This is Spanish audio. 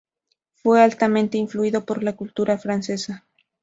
Fue altamente influido por la cultura francesa.